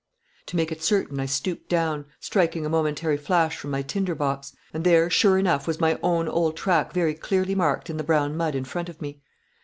To make it certain I stooped down, striking a momentary flash from my tinder box, and there sure enough was my own old track very clearly marked in the brown mud in front of me.